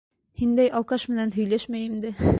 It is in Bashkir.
Һиндәй алкаш менән һөйләшмәйем дә!